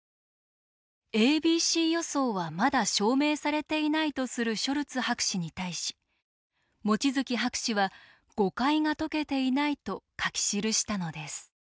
「ａｂｃ予想はまだ証明されていない」とするショルツ博士に対し望月博士は「誤解が解けていない」と書き記したのです。